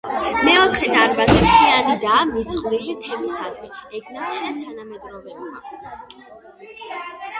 მეოთხე დარბაზი მთლიანადაა მიძღვნილი თემისადმი: „ეგნატე და თანამედროვეობა“.